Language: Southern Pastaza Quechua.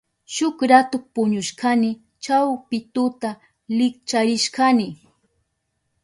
Shuk ratu puñushkani. Chawpi tuta likcharishkani.